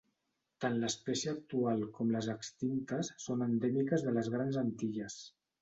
Tant l'espècie actual com les extintes són endèmiques de les Grans Antilles.